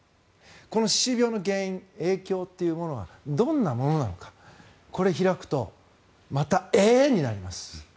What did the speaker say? この歯周病の原因影響というものはどんなものなのかこれ、開くとまた、えー！になります。